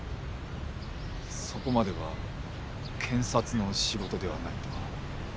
そこまでは検察の仕事ではないと？